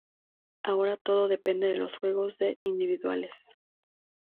Ahora todo depende de los juegos de individuales.